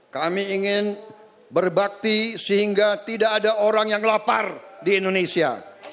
kami ingin berbakti sehingga tidak ada orang yang lapar di indonesia